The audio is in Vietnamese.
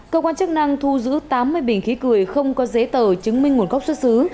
cơ quan chức năng thu giữ tám mươi bình khí cười không có giấy tờ chứng minh nguồn gốc xuất xứ